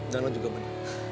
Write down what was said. download juga ben